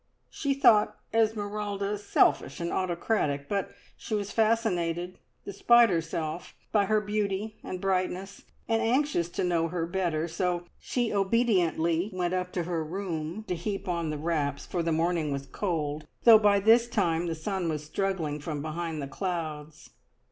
She thought Esmeralda selfish and autocratic, but she was fascinated, despite herself, by her beauty and brightness, and anxious to know her better; so she obediently went up to her room to heap on the wraps, for the morning was cold, though by this time the sun was struggling from behind the clouds.